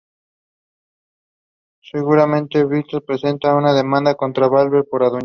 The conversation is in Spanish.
Seguidamente Blizzard presenta una demanda contra Valve por adueñarse de la marca "DotA".